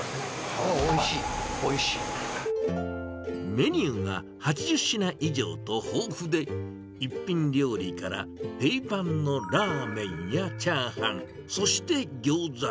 メニューが８０品以上と豊富で、一品料理から定番のラーメンやチャーハン、そしてギョーザ。